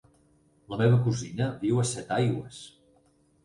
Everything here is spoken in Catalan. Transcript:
La meva cosina viu a Setaigües.